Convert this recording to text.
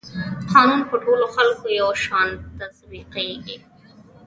قانون په ټولو خلکو یو شان تطبیقیږي.